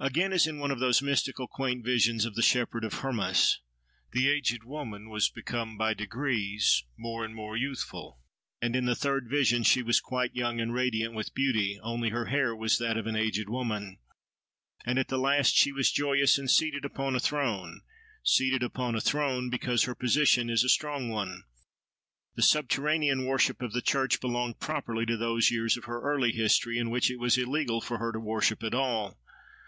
Again as in one of those mystical, quaint visions of the Shepherd of Hermas, "the aged woman was become by degrees more and more youthful. And in the third vision she was quite young, and radiant with beauty: only her hair was that of an aged woman. And at the last she was joyous, and seated upon a throne—seated upon a throne, because her position is a strong one." The subterranean worship of the church belonged properly to those years of her early history in which it was illegal for her to worship at all.